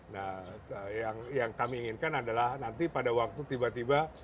nah yang kami inginkan adalah nanti pada waktu tiba tiba